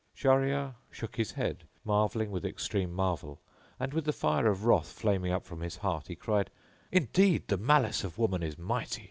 Shahryar shook his head, marvelling with extreme marvel, and with the fire of wrath flaming up from his heart, he cried, "Indeed, the malice of woman is mighty!"